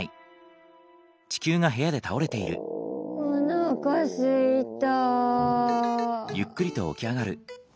おなかすいた！